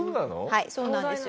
はいそうなんですよ。